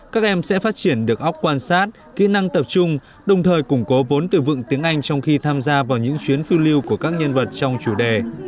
các em sẽ phát triển được ốc quan sát kỹ năng tập trung đồng thời củng cố vốn từ vựng tiếng anh trong khi tham gia vào những chuyến phiêu lưu của các nhân vật trong chủ đề